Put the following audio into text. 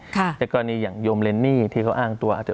ค่ะแต่กรณีอย่างยมเรนนี่ที่เขาอ้างตัว